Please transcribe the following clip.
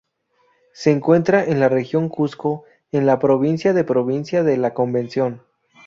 Se encuentra en la región Cusco, en la provincia de Provincia de La Convención.